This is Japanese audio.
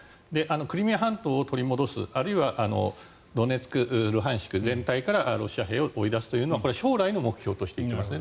クリミア半島を取り戻すあるいはドネツク、ルハンシク全体からロシア兵を追い出すというのはこれ将来の目標として言ってますね。